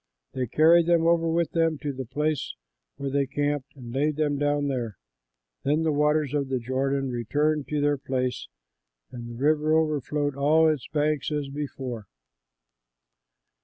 They carried them over with them to the place where they camped and laid them down there. Then the waters of the Jordan returned to their place and the river overflowed all its banks as before.